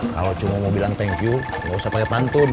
kalau cuma mau bilang thank you gak usah pakai pantun